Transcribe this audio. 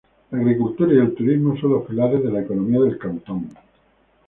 La agricultura y el turismo son los pilares de la economía del cantón.